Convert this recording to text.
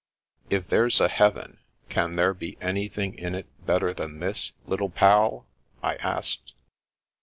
" If there's a heaven, can there be anything in it better than this. Little Pal ?" I asked.